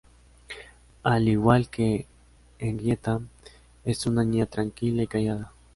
Al igual que Henrietta, es una niña tranquila y callada.